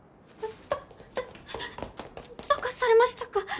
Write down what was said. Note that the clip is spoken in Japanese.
どどどうかされましたか！？